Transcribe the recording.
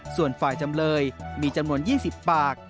ส่วนฝ่ายจำเลยมีจำนวน๒๐ปาก